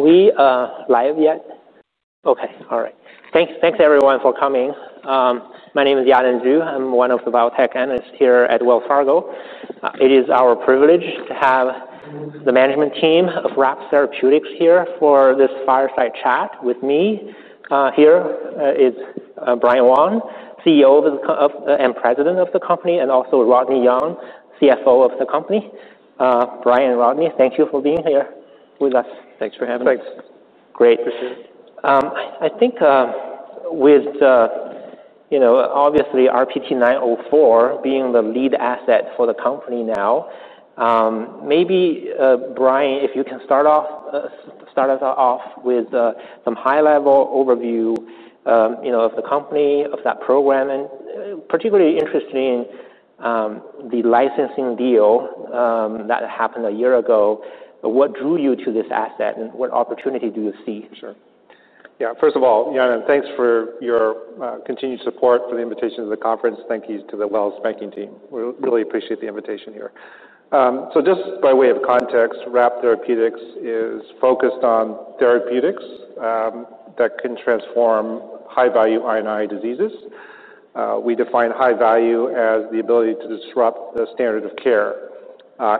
Are we live yet? Okay. All right. Thanks, thanks everyone for coming. My name is Yanan Zhu. I'm one of the biotech analysts here at Wells Fargo. It is our privilege to have the management team of RAPT Therapeutics here for this fireside chat with me. Here is Brian Wong, CEO of the company and president of the company, and also Rodney Young, CFO of the company. Brian and Rodney, thank you for being here with us. Thanks for having us. Thanks. Great. Appreciate it. I think, with, you know, obviously RPT-904 being the lead asset for the company now, maybe, Brian, if you can start us off with some high-level overview, you know, of the company, of that program, and particularly interested in the licensing deal that happened a year ago. What drew you to this asset, and what opportunity do you see? Sure. Yeah. First of all, Yanan, thanks for your continued support for the invitation to the conference. Thank you to the Wells Fargo banking team. We really appreciate the invitation here. So just by way of context, RAPT Therapeutics is focused on therapeutics that can transform high-value I&I diseases. We define high value as the ability to disrupt the standard of care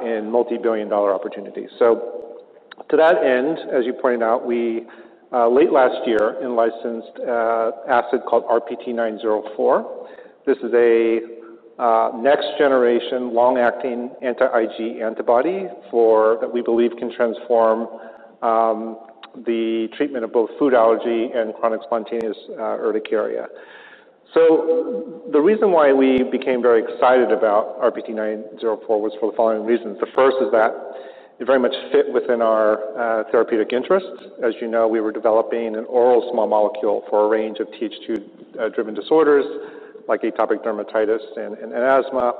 in multi-billion-dollar opportunities. So to that end, as you pointed out, we late last year in-licensed an asset called RPT-904. This is a next-generation long-acting anti-IgE antibody that we believe can transform the treatment of both food allergy and chronic spontaneous urticaria. So the reason why we became very excited about RPT-904 was for the following reasons. The first is that it very much fit within our therapeutic interests. As you know, we were developing an oral small molecule for a range of TH2-driven disorders like atopic dermatitis and asthma.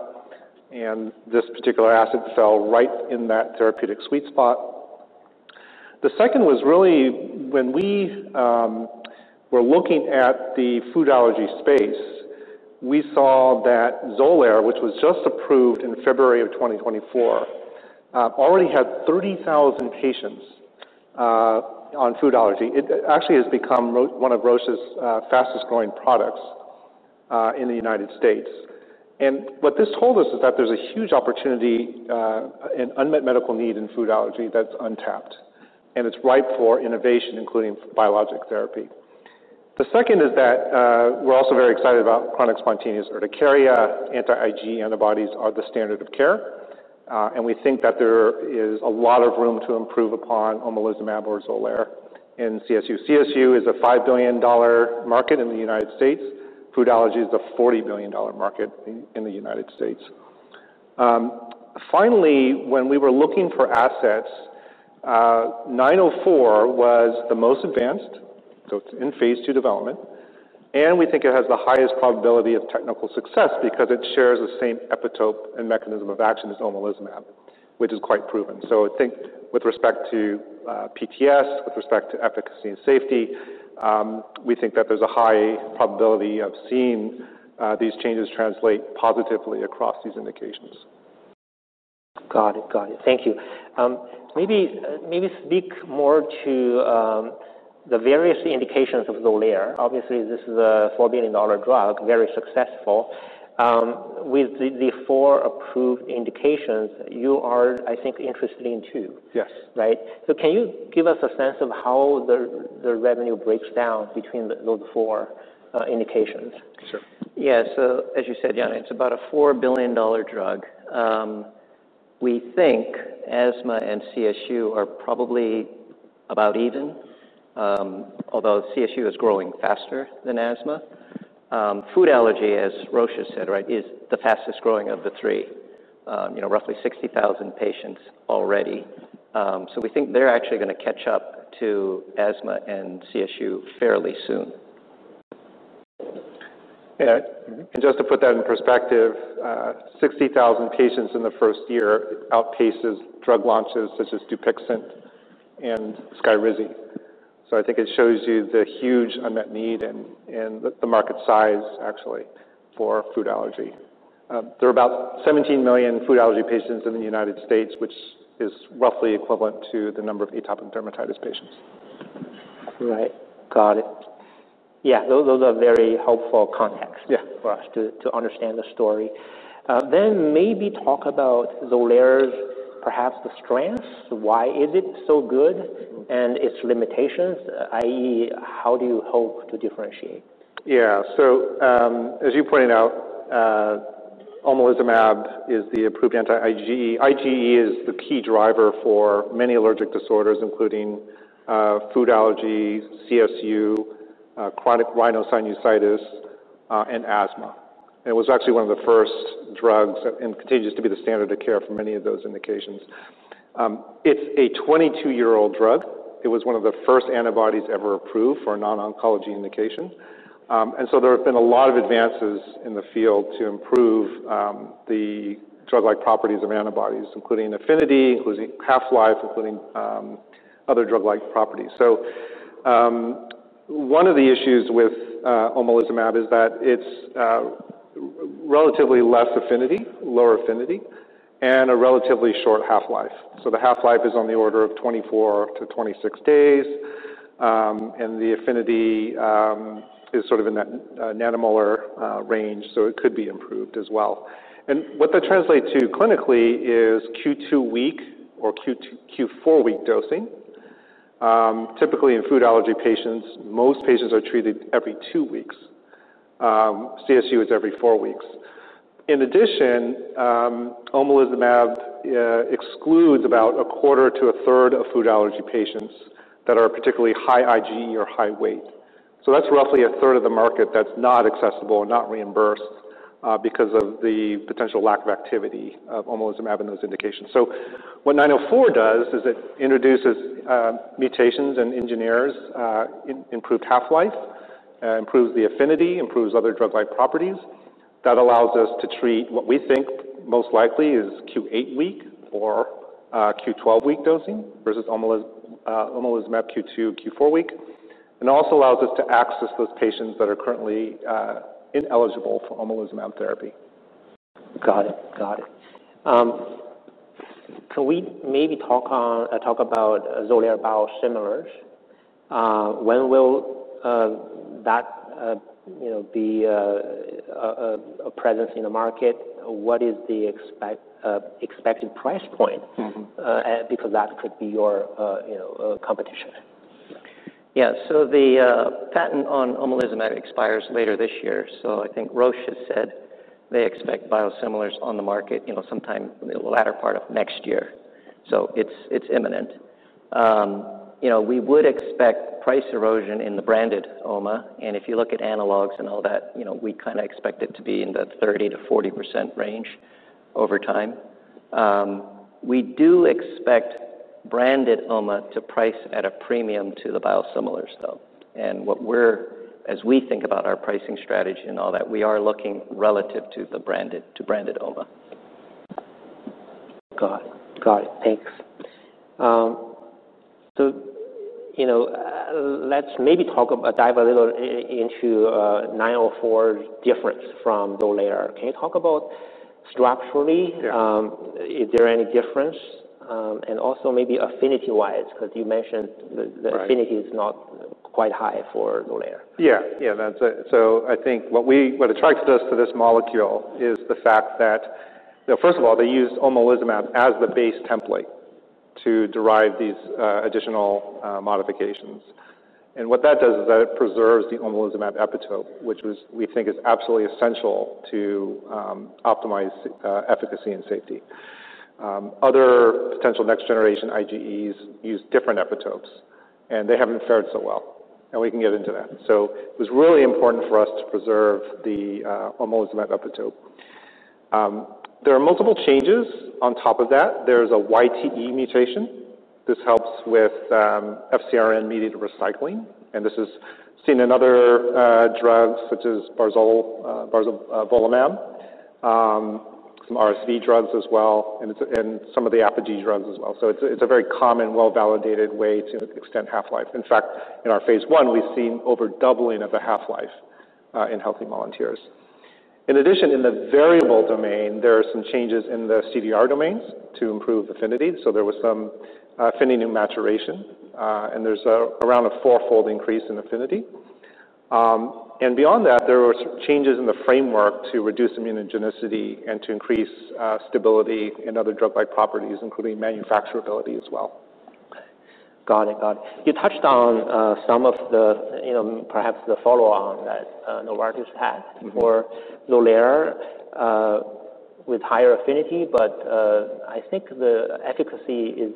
And this particular asset fell right in that therapeutic sweet spot. The second was really when we were looking at the food allergy space, we saw that Xolair, which was just approved in February of 2024, already had 30,000 patients on food allergy. It actually has become one of Roche's fastest-growing products in the United States. And what this told us is that there's a huge opportunity, an unmet medical need in food allergy that's untapped, and it's ripe for innovation, including biologic therapy. The second is that we're also very excited about chronic spontaneous urticaria. Anti-IgE antibodies are the standard of care, and we think that there is a lot of room to improve upon omalizumab or Xolair in CSU. CSU is a $5 billion market in the United States. Food allergy is a $40 billion market in the United States. Finally, when we were looking for assets, 904 was the most advanced, so it's in phase 2 development, and we think it has the highest probability of technical success because it shares the same epitope and mechanism of action as omalizumab, which is quite proven. So I think with respect to RPT's, with respect to efficacy and safety, we think that there's a high probability of seeing these changes translate positively across these indications. Got it. Got it. Thank you. Maybe, maybe speak more to the various indications of Xolair. Obviously, this is a $4 billion drug, very successful. With the four approved indications, you are, I think, interested in two. Yes. Right? So can you give us a sense of how the revenue breaks down between those four indications? Sure. Yeah. So as you said, Yanan, it's about a $4 billion drug. We think asthma and CSU are probably about even, although CSU is growing faster than asthma. Food allergy, as Roche has said, right, is the fastest growing of the three. You know, roughly 60,000 patients already. So we think they're actually gonna catch up to asthma and CSU fairly soon. Yeah. And just to put that in perspective, 60,000 patients in the first year outpaces drug launches such as Dupixent and Skyrizi. So I think it shows you the huge unmet need and the market size actually for food allergy. There are about 17 million food allergy patients in the United States, which is roughly equivalent to the number of atopic dermatitis patients. Right. Got it. Yeah. Those, those are very helpful context. Yeah. For us to understand the story. Then maybe talk about Xolair's perhaps the strengths. Why is it so good and its limitations, i.e., how do you hope to differentiate? Yeah. So, as you pointed out, omalizumab is the approved anti-IgE. IgE is the key driver for many allergic disorders, including food allergy, CSU, chronic rhinosinusitis, and asthma. And it was actually one of the first drugs and continues to be the standard of care for many of those indications. It's a 22-year-old drug. It was one of the first antibodies ever approved for a non-oncology indication, and so there have been a lot of advances in the field to improve the drug-like properties of antibodies, including affinity, including half-life, including other drug-like properties. So, one of the issues with omalizumab is that it's relatively less affinity, lower affinity, and a relatively short half-life. So the half-life is on the order of 24 to 26 days, and the affinity is sort of in that nanomolar range, so it could be improved as well. And what that translates to clinically is Q2 week or Q2 Q4 week dosing. Typically in food allergy patients, most patients are treated every two weeks. CSU is every four weeks. In addition, omalizumab excludes about a quarter to a third of food allergy patients that are particularly high IgE or high weight. So that's roughly a third of the market that's not accessible and not reimbursed, because of the potential lack of activity of omalizumab in those indications. So what 904 does is it introduces mutations and engineers an improved half-life, improves the affinity, improves other drug-like properties. That allows us to treat what we think most likely is Q8 week or Q12 week dosing versus omalizumab Q2 Q4 week. And it also allows us to access those patients that are currently ineligible for omalizumab therapy. Got it. Got it. Can we maybe talk about Xolair biosimilars? When will that, you know, be a presence in the market? What is the expected price point? Mm-hmm. because that could be your, you know, competition. Yeah. Yeah. So the patent on omalizumab expires later this year. So I think Roche has said they expect biosimilars on the market, you know, sometime in the latter part of next year. So it's imminent. You know, we would expect price erosion in the branded OMA. And if you look at analogs and all that, you know, we kinda expect it to be in the 30%-40% range over time. We do expect branded OMA to price at a premium to the biosimilars though. And what we're as we think about our pricing strategy and all that, we are looking relative to the branded to branded OMA. Got it. Got it. Thanks. So, you know, let's maybe talk about diving a little into 904's difference from Xolair. Can you talk about structurally? Yeah. Is there any difference? And also maybe affinity-wise, 'cause you mentioned the affinity is not quite high for Xolair. Yeah. Yeah. That's it. So I think what attracts us to this molecule is the fact that, you know, first of all, they used omalizumab as the base template to derive these additional modifications. And what that does is that it preserves the omalizumab epitope, which, we think, is absolutely essential to optimize efficacy and safety. Other potential next-generation IgE use different epitopes, and they haven't fared so well. And we can get into that. So it was really important for us to preserve the omalizumab epitope. There are multiple changes. On top of that, there's a YTE mutation. This helps with FcRn-mediated recycling. And this is seen in other drugs such as barzolvolumab, some RSV drugs as well, and some of the Apogee drugs as well. So it's a very common, well-validated way to extend half-life. In fact, in our phase one, we've seen over doubling of the half-life, in healthy volunteers. In addition, in the variable domain, there are some changes in the CDR domains to improve affinity. So there was some affinity maturation, and there's around a four-fold increase in affinity. And beyond that, there were changes in the framework to reduce immunogenicity and to increase stability in other drug-like properties, including manufacturability as well. Got it. Got it. You touched on some of the, you know, perhaps the follow-on that Novartis had for Xolair with higher affinity, but I think the efficacy is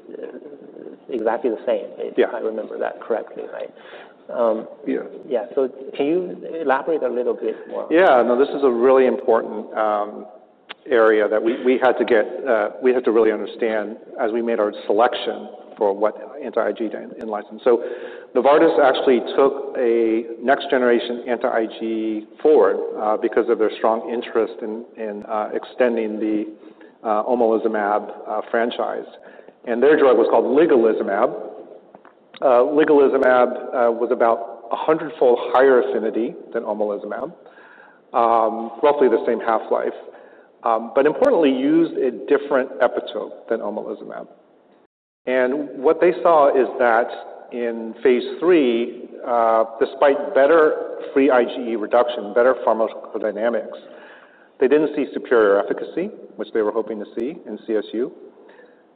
exactly the same. Yeah. If I remember that correctly, right? Yeah. Yeah, so can you elaborate a little bit more? Yeah. No, this is a really important area that we had to get, we had to really understand as we made our selection for what anti-IgE to enhance. So Novartis actually took a next-generation anti-IgE forward, because of their strong interest in extending the omalizumab franchise. And their drug was called ligolizumab. Ligolizumab was about a hundred-fold higher affinity than omalizumab, roughly the same half-life, but importantly used a different epitope than omalizumab. And what they saw is that in phase three, despite better free IgE reduction, better pharmacodynamics, they didn't see superior efficacy, which they were hoping to see in CSU.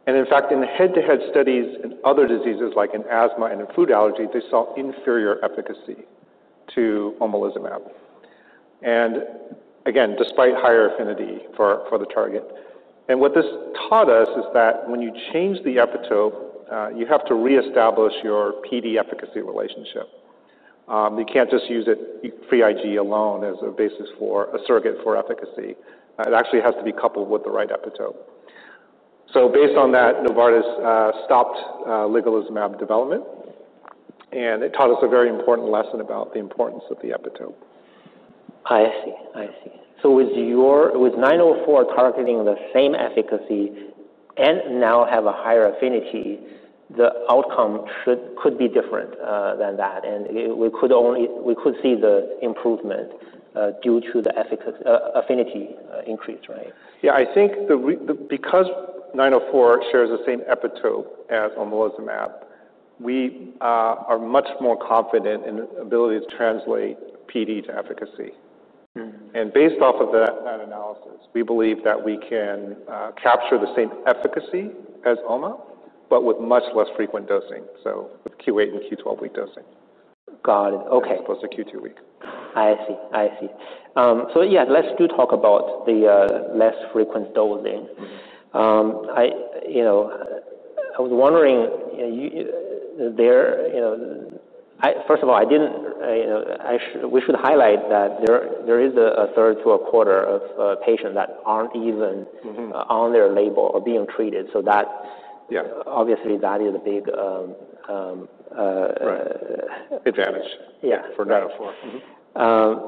And in fact, in head-to-head studies in other diseases like in asthma and in food allergy, they saw inferior efficacy to omalizumab. And again, despite higher affinity for the target. And what this taught us is that when you change the epitope, you have to reestablish your PD efficacy relationship. You can't just use free IgE alone as a basis for a surrogate for efficacy. It actually has to be coupled with the right epitope. So based on that, Novartis stopped ligolizumab development, and it taught us a very important lesson about the importance of the epitope. I see. So with your 904 targeting the same efficacy and now have a higher affinity, the outcome should could be different than that. And we could only see the improvement due to the efficacy affinity increase, right? Yeah. I think that because 904 shares the same epitope as omalizumab, we are much more confident in the ability to translate PD to efficacy. Mm-hmm. Based off of that analysis, we believe that we can capture the same efficacy as OMA, but with much less frequent dosing. So, Q8 and Q12 week dosing. Got it. Okay. As opposed to Q2 week. I see. So yeah, let's do talk about the less frequent dosing. Mm-hmm. You know, I was wondering, you know, you there, you know. I first of all, you know, we should highlight that there is a third to a quarter of patients that aren't even. Mm-hmm. on their label or being treated. So that. Yeah. Obviously, that is a big, Right. Advantage. Yeah. For 904. Mm-hmm,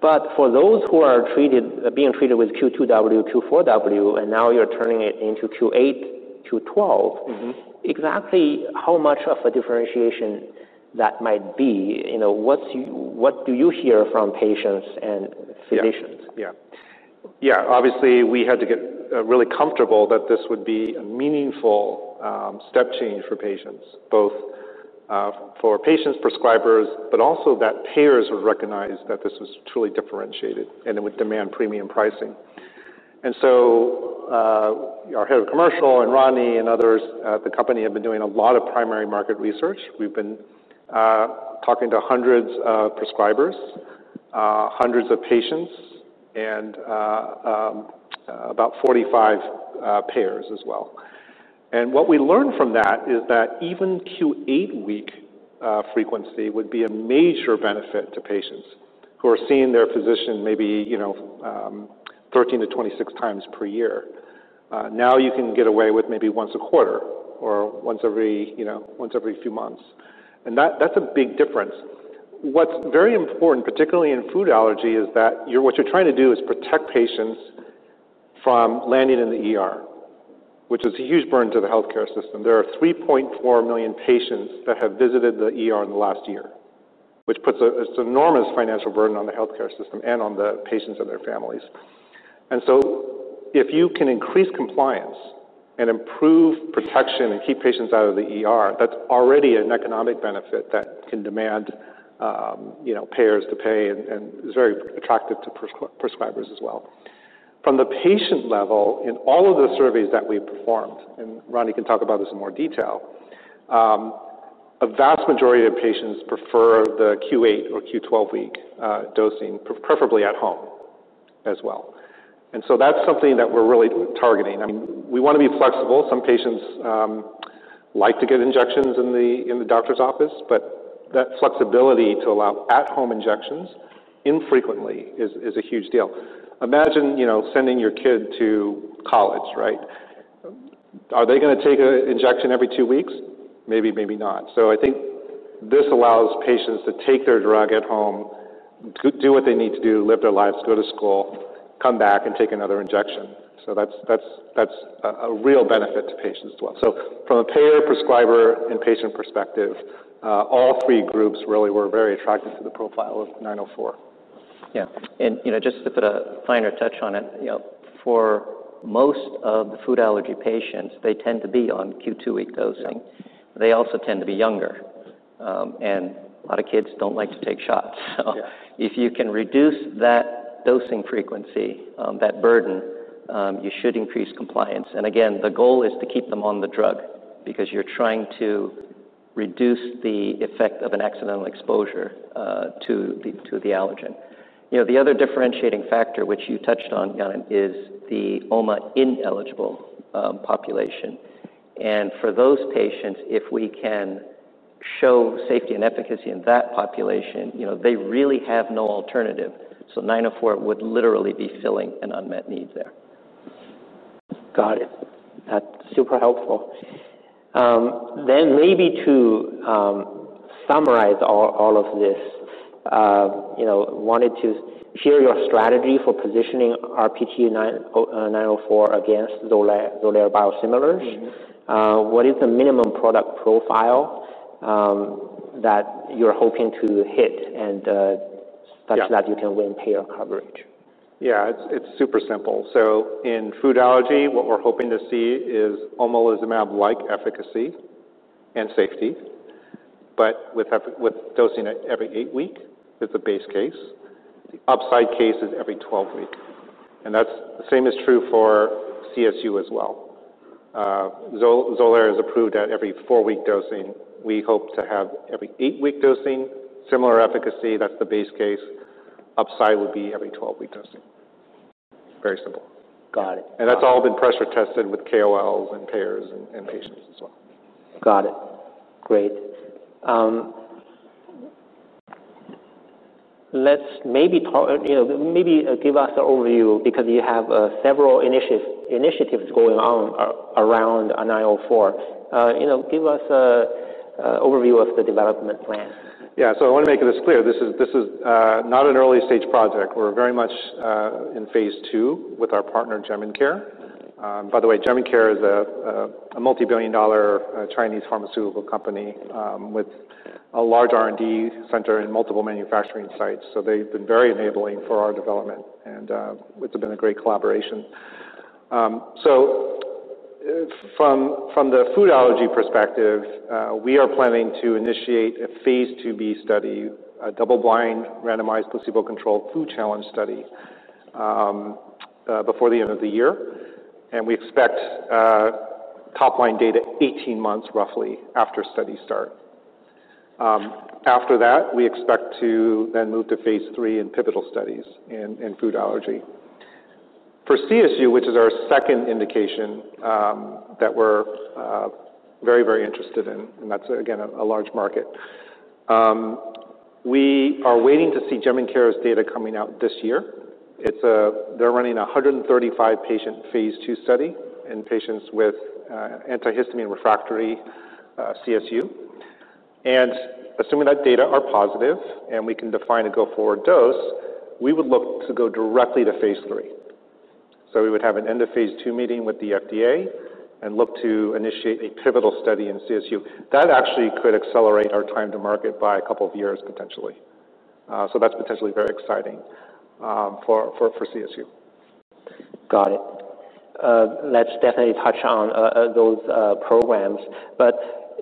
but for those who are treated, being treated with Q2W, Q4W, and now you're turning it into Q8, Q12. Mm-hmm. Exactly how much of a differentiation that might be? You know, what do you hear from patients and physicians? Yeah. Yeah. Yeah. Obviously, we had to get really comfortable that this would be a meaningful step change for patients, both for patients, prescribers, but also that payers would recognize that this was truly differentiated and it would demand premium pricing. And so, our head of commercial and Rodney and others at the company have been doing a lot of primary market research. We've been talking to hundreds of prescribers, hundreds of patients, and about 45 payers as well. And what we learned from that is that even Q8 week frequency would be a major benefit to patients who are seeing their physician maybe, you know, 13 to 26 times per year. Now you can get away with maybe once a quarter or once every, you know, once every few months. And that, that's a big difference. What's very important, particularly in food allergy, is that what you're trying to do is protect patients from landing in the ER, which is a huge burden to the healthcare system. There are 3.4 million patients that have visited the ER in the last year, which puts an enormous financial burden on the healthcare system and on the patients and their families. So if you can increase compliance and improve protection and keep patients out of the ER, that's already an economic benefit that can demand, you know, payers to pay and is very attractive to prescribers as well. From the patient level, in all of the surveys that we've performed, and Rodney can talk about this in more detail, a vast majority of patients prefer the Q8 or Q12 week dosing, preferably at home as well. That's something that we're really targeting. I mean, we wanna be flexible. Some patients like to get injections in the doctor's office, but that flexibility to allow at-home injections infrequently is a huge deal. Imagine, you know, sending your kid to college, right? Are they gonna take an injection every two weeks? Maybe, maybe not. So I think this allows patients to take their drug at home, do what they need to do, live their lives, go to school, come back, and take another injection. So that's a real benefit to patients as well. So from a payer, prescriber, and patient perspective, all three groups really were very attracted to the profile of 904. Yeah. And, you know, just to put a finer touch on it, you know, for most of the food allergy patients, they tend to be on Q2 week dosing. They also tend to be younger. And a lot of kids don't like to take shots. Yeah. So if you can reduce that dosing frequency, that burden, you should increase compliance. And again, the goal is to keep them on the drug because you're trying to reduce the effect of an accidental exposure to the allergen. You know, the other differentiating factor, which you touched on, Yanan, is the omalizumab-ineligible population. And for those patients, if we can show safety and efficacy in that population, you know, they really have no alternative. So 904 would literally be filling an unmet need there. Got it. That's super helpful. Then maybe to summarize all of this, you know, wanted to hear your strategy for positioning RPT-904 against Xolair biosimilars. Mm-hmm. What is the minimum product profile that you're hoping to hit and such that you can win payer coverage? Yeah. It's super simple. So in food allergy, what we're hoping to see is omalizumab-like efficacy and safety, but with every dosing at every eight weeks as the base case. The upside case is every 12 weeks. And that's the same is true for CSU as well. Xolair is approved at every four-week dosing. We hope to have every eight-week dosing, similar efficacy. That's the base case. Upside would be every 12-week dosing. Very simple. Got it. And that's all been pressure tested with KOLs and payers and patients as well. Got it. Great. Let's maybe talk, you know, maybe give us an overview because you have several initiatives going on around 904. You know, give us an overview of the development plan. Yeah. I wanna make this clear. This is not an early-stage project. We're very much in phase 2 with our partner, Jemincare. By the way, Jemincare is a multi-billion-dollar Chinese pharmaceutical company, with a large R&D center and multiple manufacturing sites. So they've been very enabling for our development. And it's been a great collaboration. From the food allergy perspective, we are planning to initiate a phase 2b study, a double-blind randomized placebo-controlled food challenge study, before the end of the year. And we expect top-line data roughly 18 months after study start. After that, we expect to move to phase 3 pivotal studies in food allergy. For CSU, which is our second indication that we're very interested in, and that's again a large market, we are waiting to see Jemincare's data coming out this year. They're running a 135-patient phase 2 study in patients with antihistamine-refractory CSU. And assuming that data are positive and we can define a go-forward dose, we would look to go directly to phase 3. So we would have an end-of-phase 2 meeting with the FDA and look to initiate a pivotal study in CSU. That actually could accelerate our time to market by a couple of years potentially, so that's potentially very exciting for CSU. Got it. Let's definitely touch on those programs. But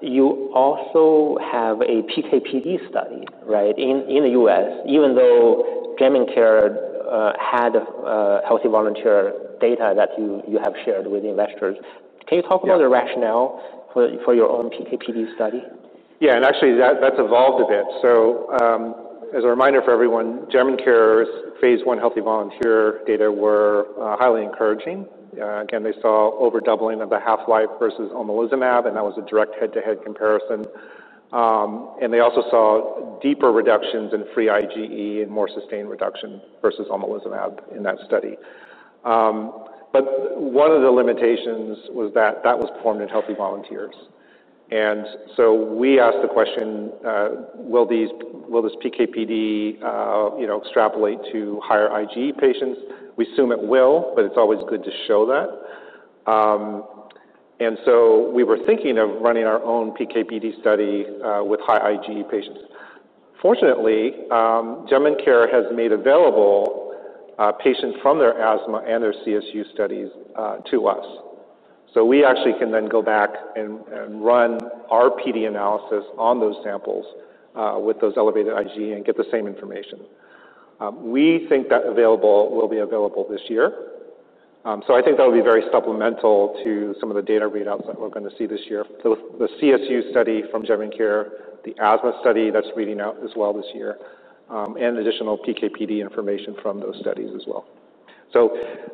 you also have a PKPD study, right, in the U.S., even though Jemincare had healthy volunteer data that you have shared with investors. Can you talk about the rationale for your own PKPD study? Yeah. And actually, that's evolved a bit. So, as a reminder for everyone, Jemincare's phase one healthy volunteer data were highly encouraging. Again, they saw overdoubling of the half-life versus omalizumab, and that was a direct head-to-head comparison. And they also saw deeper reductions in free IgE and more sustained reduction versus omalizumab in that study. But one of the limitations was that that was performed in healthy volunteers. And so we asked the question, will this PKPD, you know, extrapolate to higher IgE patients? We assume it will, but it's always good to show that. And so we were thinking of running our own PKPD study, with high IgE patients. Fortunately, Jemincare has made available patients from their asthma and their CSU studies, to us. We actually can then go back and run our PD analysis on those samples, with those elevated IgE and get the same information. We think that available will be available this year. I think that'll be very supplemental to some of the data readouts that we're gonna see this year, the CSU study from Jemincare, the asthma study that's reading out as well this year, and additional PKPD information from those studies as well.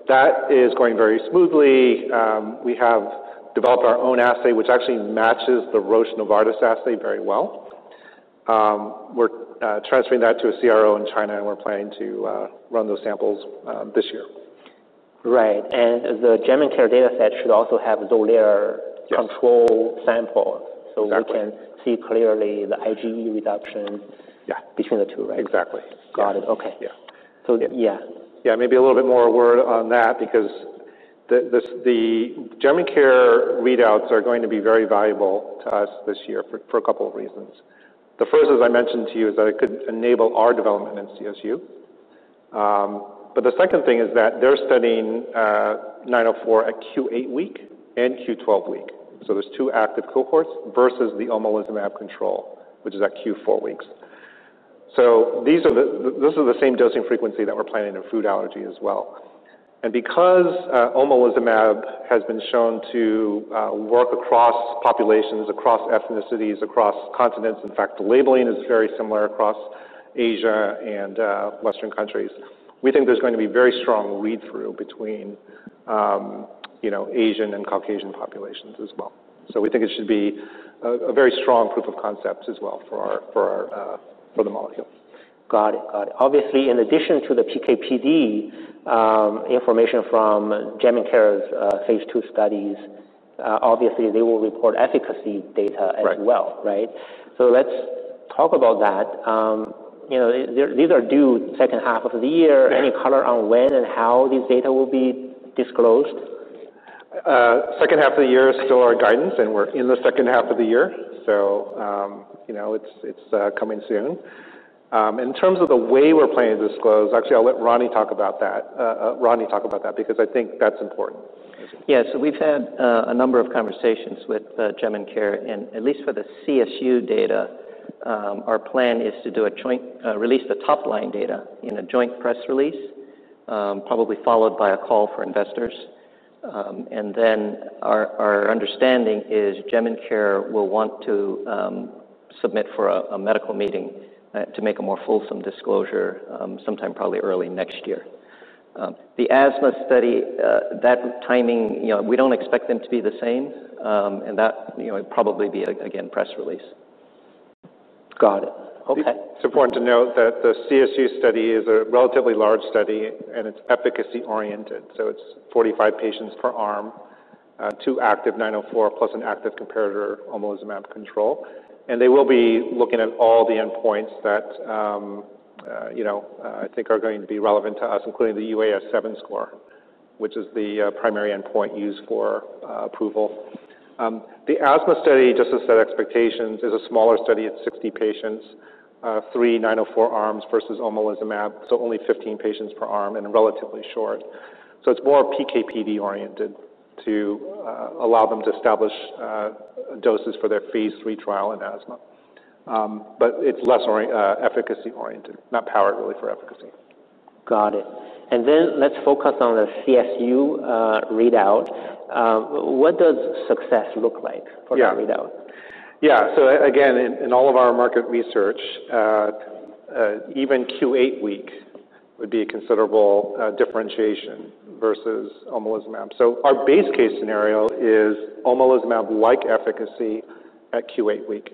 That is going very smoothly. We have developed our own assay, which actually matches the Roche Novartis assay very well. We're transferring that to a CRO in China, and we're planning to run those samples this year. Right, and the Jemincare data set should also have Xolair-controlled samples. Yes. So we can see clearly the IgE reduction. Yeah. Between the two, right? Exactly. Got it. Okay. Yeah. So. Yeah. Yeah. Maybe a little bit more word on that because the Jemincare readouts are going to be very valuable to us this year for a couple of reasons. The first, as I mentioned to you, is that it could enable our development in CSU, but the second thing is that they're studying RPT-904 at Q8 week and Q12 week. So there's two active cohorts versus the omalizumab control, which is at Q4 weeks. So these are. This is the same dosing frequency that we're planning in food allergy as well. And because omalizumab has been shown to work across populations, across ethnicities, across continents, in fact, the labeling is very similar across Asia and Western countries, we think there's going to be very strong read-through between, you know, Asian and Caucasian populations as well. We think it should be a very strong proof of concept as well for the molecule. Got it. Got it. Obviously, in addition to the PKPD information from Jemincare's phase 2 studies, obviously, they will report efficacy data as well. Right. Right? So let's talk about that. You know, these are due second half of the year. Right. Any color on when and how these data will be disclosed? Second half of the year is still our guidance, and we're in the second half of the year, so you know, it's coming soon. In terms of the way we're planning to disclose, actually, I'll let Rodney talk about that because I think that's important. Yeah. So we've had a number of conversations with Jemincare, at least for the CSU data. Our plan is to do a joint release of the top-line data in a joint press release, probably followed by a call for investors. And then our understanding is Jemincare will want to submit for a medical meeting to make a more fulsome disclosure, sometime probably early next year. The asthma study, that timing, you know, we don't expect them to be the same. And that, you know, it'd probably be a press release again. Got it. Okay. It's important to note that the CSU study is a relatively large study, and it's efficacy-oriented. So it's 45 patients per arm, two active RPT-904 plus an active comparator omalizumab control. And they will be looking at all the endpoints that, you know, I think are going to be relevant to us, including the UAS-7 score, which is the primary endpoint used for approval. The asthma study, just to set expectations, is a smaller study at 60 patients, three RPT-904 arms versus omalizumab, so only 15 patients per arm and relatively short. So it's more PKPD-oriented to allow them to establish doses for their phase three trial in asthma. It's less efficacy-oriented, not powered, really, for efficacy. Got it. And then let's focus on the CSU readout. What does success look like for that readout? Yeah. So again, in all of our market research, even Q8 week would be a considerable differentiation versus omalizumab. So our base case scenario is omalizumab-like efficacy at Q8 week,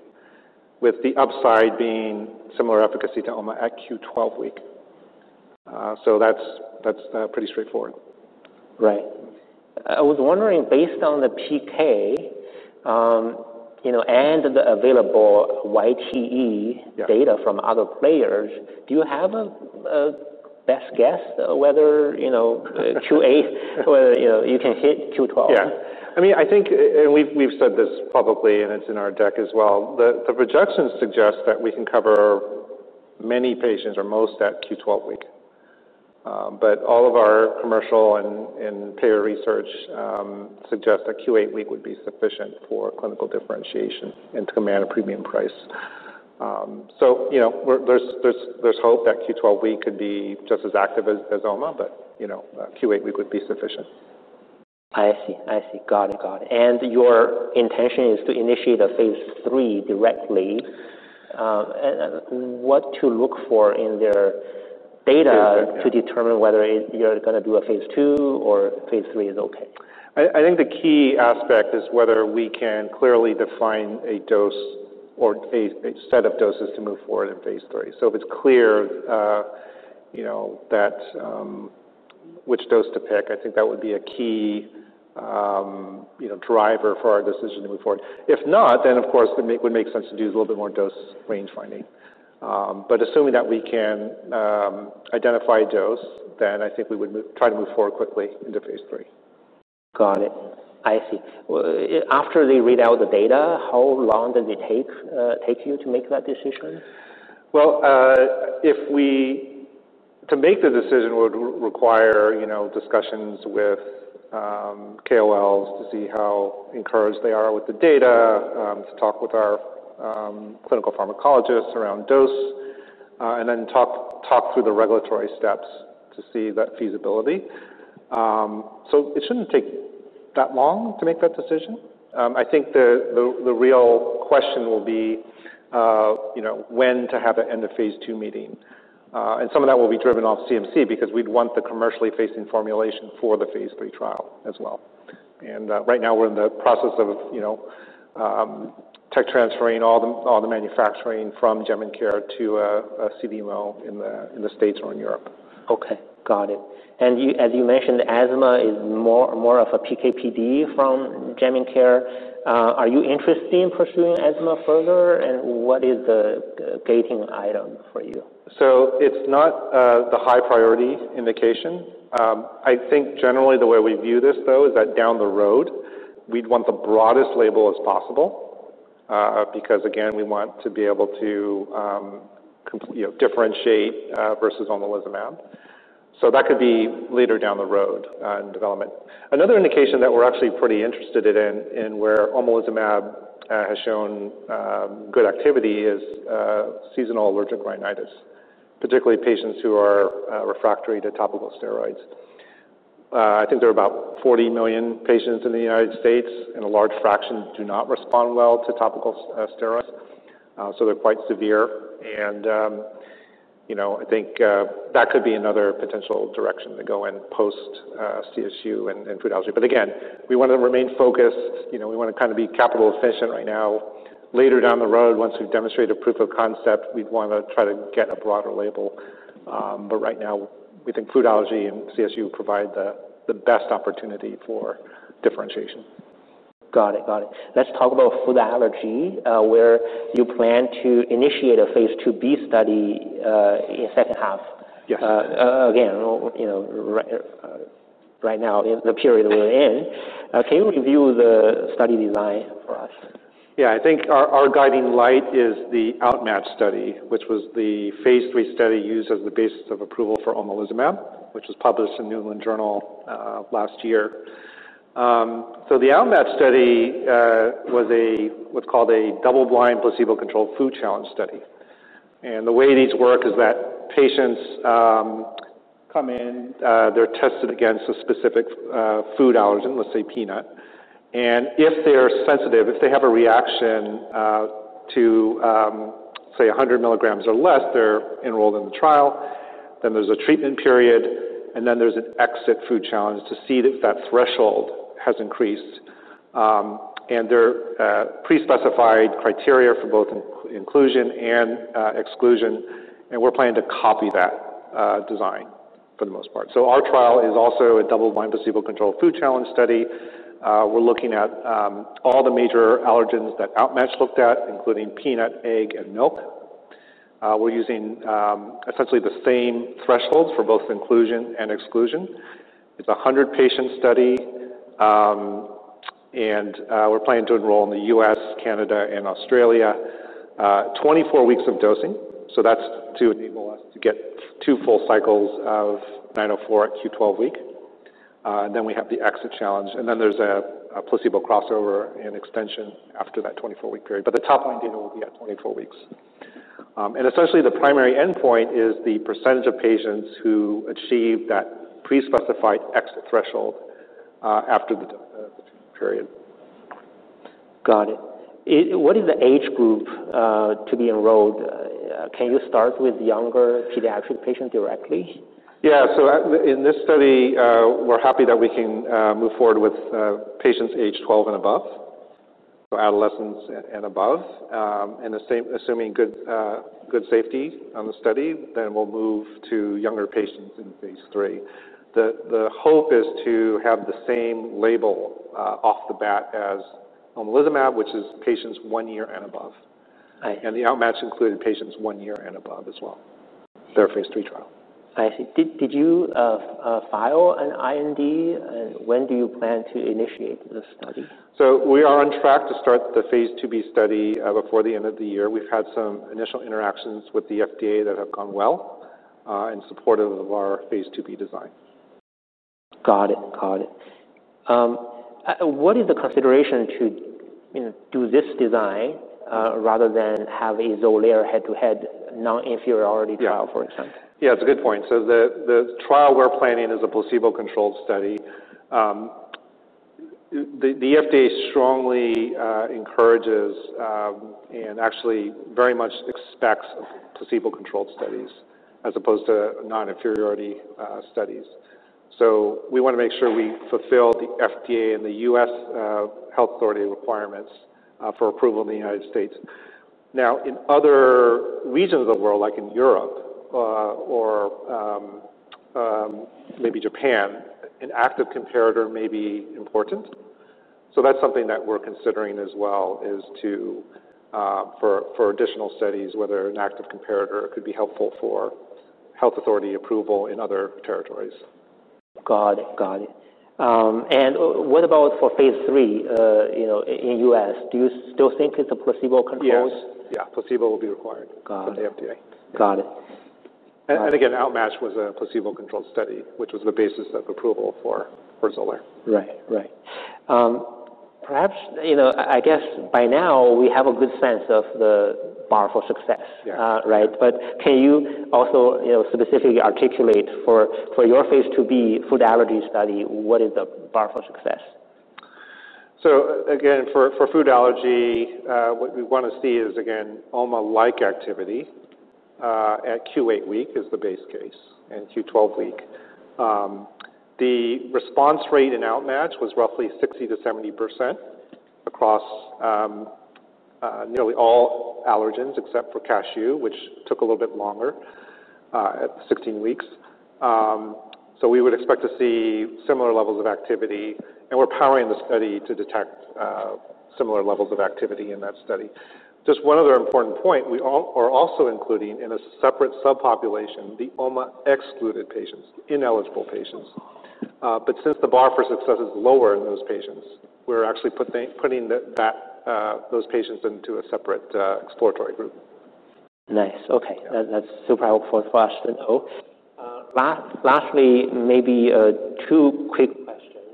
with the upside being similar efficacy to OMA at Q12 week, so that's pretty straightforward. Right. I was wondering, based on the PK, you know, and the available free IgE data from other players, do you have a best guess whether, you know, Q8 or, you know, you can hit Q12? Yeah. I mean, I think, and we've said this publicly, and it's in our deck as well, the projections suggest that we can cover many patients or most at Q12 week, but all of our commercial and payer research suggest that Q8 week would be sufficient for clinical differentiation and to command a premium price, so, you know, there's hope that Q12 week could be just as active as OMA, but, you know, Q8 week would be sufficient. I see. Got it. And your intention is to initiate a phase three directly. What to look for in their data to determine whether you're gonna do a phase two or phase three is okay? I think the key aspect is whether we can clearly define a dose or a set of doses to move forward in phase three. So if it's clear, you know, that which dose to pick, I think that would be a key, you know, driver for our decision to move forward. If not, then, of course, it would make sense to do a little bit more dose range finding. But assuming that we can identify a dose, then I think we would try to move forward quickly into phase three. Got it. I see. Well, after they read out the data, how long does it take you to make that decision? If we to make the decision would require, you know, discussions with KOLs to see how encouraged they are with the data, to talk with our clinical pharmacologists around dose, and then talk through the regulatory steps to see that feasibility. It shouldn't take that long to make that decision. I think the real question will be, you know, when to have an end-of-phase two meeting. Some of that will be driven off CMC because we'd want the commercially facing formulation for the phase three trial as well. Right now, we're in the process of, you know, tech transferring all the manufacturing from Jemincare to CDMO in the States or in Europe. Okay. Got it. And as you mentioned, asthma is more of a PK/PD from Jemincare. Are you interested in pursuing asthma further, and what is the gating item for you? So it's not the high-priority indication. I think generally, the way we view this, though, is that down the road, we'd want the broadest label as possible, because, again, we want to be able to, you know, differentiate versus omalizumab. So that could be later down the road in development. Another indication that we're actually pretty interested in, in where omalizumab has shown good activity is seasonal allergic rhinitis, particularly patients who are refractory to topical steroids. I think there are about 40 million patients in the United States, and a large fraction do not respond well to topical steroids, so they're quite severe. You know, I think that could be another potential direction to go in post CSU and food allergy. But again, we wanna remain focused. You know, we wanna kinda be capital efficient right now. Later down the road, once we've demonstrated proof of concept, we'd wanna try to get a broader label. But right now, we think food allergy and CSU provide the best opportunity for differentiation. Got it. Got it. Let's talk about food allergy, where you plan to initiate a phase 2b study in second half. Yes. Again, you know, right, right now, in the period we're in, can you review the study design for us? Yeah. I think our guiding light is the OUtMATCH study, which was the phase three study used as the basis of approval for omalizumab, which was published in New England Journal last year, so the OUtMATCH study was a what's called a double-blind placebo-controlled food challenge study. And the way these work is that patients come in, they're tested against a specific food allergen, let's say peanut. And if they're sensitive, if they have a reaction to, say, 100 milligrams or less, they're enrolled in the trial. Then there's a treatment period, and then there's an exit food challenge to see if that threshold has increased, and there are pre-specified criteria for both inclusion and exclusion. And we're planning to copy that design for the most part, so our trial is also a double-blind placebo-controlled food challenge study. We're looking at all the major allergens that OUtMATCH looked at, including peanut, egg, and milk. We're using essentially the same thresholds for both inclusion and exclusion. It's a 100-patient study, and we're planning to enroll in the U.S., Canada, and Australia, 24 weeks of dosing, so that's to enable us to get two full cycles of 904 at Q12 week, then we have the exit challenge, and then there's a placebo crossover and extension after that 24-week period, but the top-line data will be at 24 weeks, and essentially, the primary endpoint is the percentage of patients who achieve that pre-specified exit threshold, after the period. Got it. What is the age group to be enrolled? Can you start with younger pediatric patients directly? Yeah. So in this study, we're happy that we can move forward with patients age 12 and above, so adolescents and above. Assuming good safety on the study, then we'll move to younger patients in phase 3. The hope is to have the same label off the bat as omalizumab, which is patients one year and above. I see. The OUtMATCH included patients one year and above as well. Their phase three trial. I see. Did you file an IND? And when do you plan to initiate the study? We are on track to start the phase 2b study, before the end of the year. We've had some initial interactions with the FDA that have gone well, in support of our phase 2b design. Got it. Got it. What is the consideration to, you know, do this design, rather than have a Xolair head-to-head non-inferiority trial, for example? That's a good point. So the trial we're planning is a placebo-controlled study. The FDA strongly encourages and actually very much expects placebo-controlled studies as opposed to non-inferiority studies. So we wanna make sure we fulfill the FDA and the U.S. health authority requirements for approval in the United States. Now, in other regions of the world, like in Europe or maybe Japan, an active comparator may be important. So that's something that we're considering as well is to for additional studies whether an active comparator could be helpful for health authority approval in other territories. Got it. Got it. And what about for phase three, you know, in U.S.? Do you still think it's a placebo-controlled? Yes. Yeah. Placebo will be required. Got it. From the FDA. Got it. Again, OUtMATCH was a placebo-controlled study, which was the basis of approval for Xolair. Right. Right. Perhaps, you know, I guess by now, we have a good sense of the bar for success. Yes. right? But can you also, you know, specifically articulate for your phase 2b food allergy study, what is the bar for success? So again, for food allergy, what we wanna see is, again, OMA-like activity at Q8 week as the base case and Q12 week. The response rate in OUtMATCH was roughly 60%-70% across nearly all allergens except for cashew, which took a little bit longer at 16 weeks. We would expect to see similar levels of activity. We're powering the study to detect similar levels of activity in that study. Just one other important point, we also are including in a separate subpopulation the OMA-excluded patients, ineligible patients. Since the bar for success is lower in those patients, we're actually putting that those patients into a separate exploratory group. Nice. Okay. Yeah. That's super helpful for us to know. Lastly, maybe two quick questions.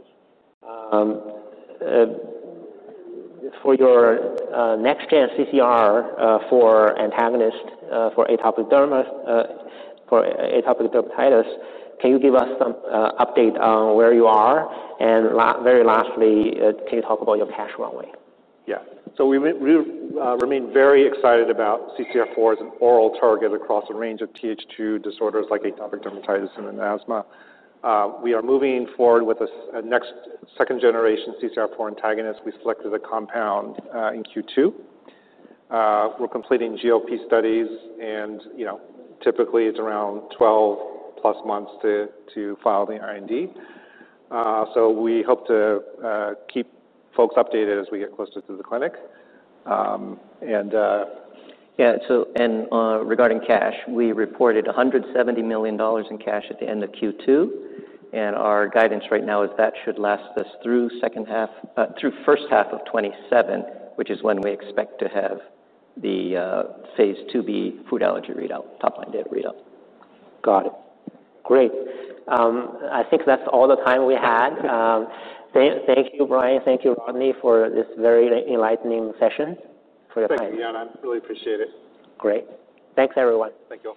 For your next-gen CCR4 antagonist for atopic dermatitis, can you give us some update on where you are? And lastly, can you talk about your cash runway? Yeah. So we've remained very excited about CCR4 as an oral target across a range of TH2 disorders like atopic dermatitis and then asthma. We are moving forward with a next second-generation CCR4 antagonist. We selected a compound in Q2. We're completing GLP studies, and you know, typically, it's around 12-plus months to file the IND. We hope to keep folks updated as we get closer to the clinic. Yeah. So, regarding cash, we reported $170 million in cash at the end of Q2. And our guidance right now is that should last us through second half, through first half of 2027, which is when we expect to have the phase 2b food allergy readout, top-line data readout. Got it. Great. I think that's all the time we had. Thank you, Brian. Thank you, Rodney, for this very enlightening session for your time. Thank you, Yanan. I really appreciate it. Great. Thanks, everyone. Thank you.